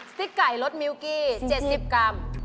ติ๊กไก่รสมิวกี้๗๐กรัม